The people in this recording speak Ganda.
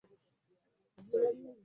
Walumbe mubbi nnyo olaba alya Ssemwanga!